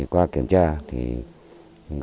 qua kiểm tra